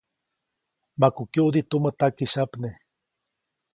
Maku kyuʼdi tumä takisyapne.